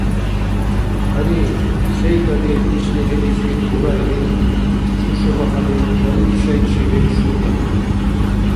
– Гьари, сейкӀадил, иш лихӀилизи бура или, – Шушу-Бахали балуй шайчи бекӀ шурбатур.